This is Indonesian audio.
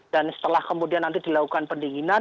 dan setelah kemudian nanti dilakukan pendinginan